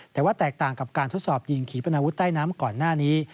แต่ว่าแตกต่างกับการทดสอบยิงขี่ปนาวุธใต้น้ำก่อนหน้านี้